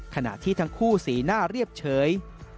ขณะที่ทั้งคู่สีหน้าเรียบเฉย